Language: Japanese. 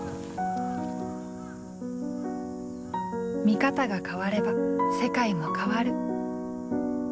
見方が変われば世界も変わる。